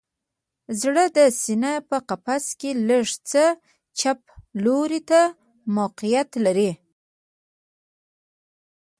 زړه د سینه په قفس کې لږ څه چپ لوري ته موقعیت لري